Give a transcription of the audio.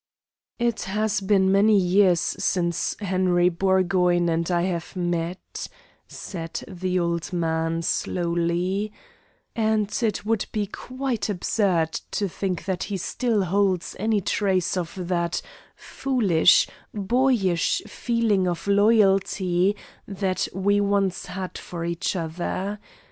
"It has been many years since Henry Burgoyne and I have met," said the old man, slowly, "and it would be quite absurd to think that he still holds any trace of that foolish, boyish feeling of loyalty that we once had for each other.